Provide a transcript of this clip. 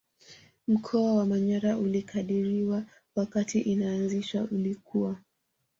Mkoa wa manyara ulikadiriwa wakati inaazishwa ilikuwa